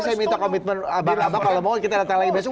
saya minta komitmen abang kalau mau kita datang lagi besok